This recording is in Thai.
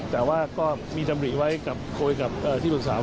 แต่ว่าก็มีจำนี้ไว้ที่ปรึกษา